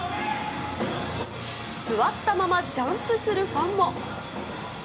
座ったままジャンプするファンも。